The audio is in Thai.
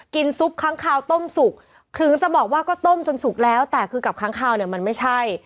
ซุปค้างคาวต้มสุกถึงจะบอกว่าก็ต้มจนสุกแล้วแต่คือกับค้างคาวเนี่ยมันไม่ใช่